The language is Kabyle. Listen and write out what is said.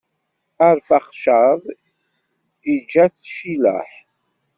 Arfaxcad iǧǧa-d Cilaḥ.